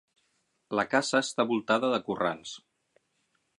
La casa està voltada de corrals.